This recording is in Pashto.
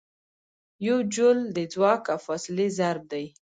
یو جول د ځواک او فاصلې ضرب دی.